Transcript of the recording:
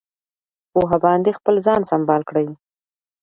په پوهه باندې خپل ځان سمبال کړئ.